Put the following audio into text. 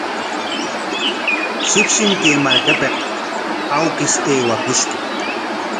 Shipshim kay markapik awkish aywakushqa.